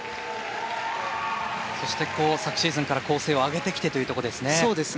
昨シーズンから構成を上げてきてというところですね。